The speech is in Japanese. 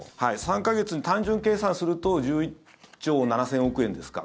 ３か月、単純計算すると１１兆７０００億円ですか。